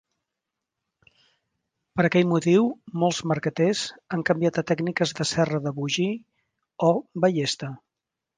Per aquell motiu, molts marqueters han canviat a tècniques de serra de vogir o ballesta.